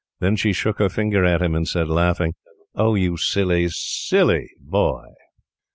Then she shook her finger at him, and said, laughing: "Oh, you silly, SILLY boy!"